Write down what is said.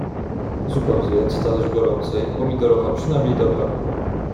Zupę zjedz, talerz gorącej, pomidorowa, przynajmniej dobra.